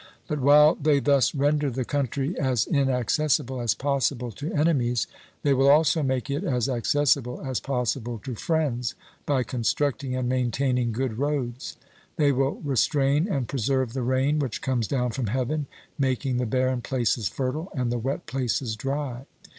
But while they thus render the country as inaccessible as possible to enemies, they will also make it as accessible as possible to friends by constructing and maintaining good roads. They will restrain and preserve the rain which comes down from heaven, making the barren places fertile, and the wet places dry.